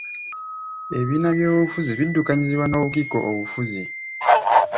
Ebibiina by'ebyobufuzi biddukanyizibwa n'obukiiko obufuzi.